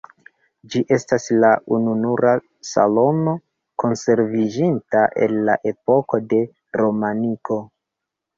Ĝi estas la ununura salono konserviĝinta el la epoko de romaniko.